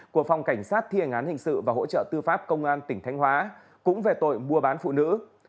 của phòng cảnh sát thiền án hình sự và hỗ trợ tư pháp công an tỉnh thanh hóa cũng về tội mua bán phụ nữ